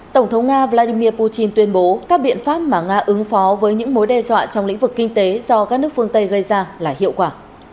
tổng thống nga vladimir putin tuyên bố các biện pháp mà nga ứng phó với những mối đe dọa trong lĩnh vực kinh tế do các nước phương tây gây ra là hiệu quả